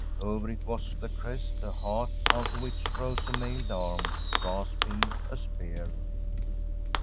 Over it was the crest, a heart, out of which rose a mailed arm, grasping a spear.